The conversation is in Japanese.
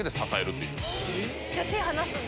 じゃあ手離すんだ。